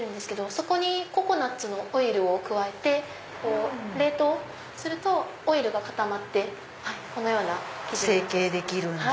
そこにココナツのオイルを加えて冷凍するとオイルが固まってこのような。成形できるんだ。